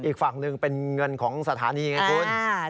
อีกฝั่งหนึ่งเป็นเงินของสถานีไงคุณ